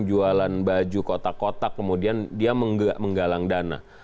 jualan baju kotak kotak kemudian dia menggalang dana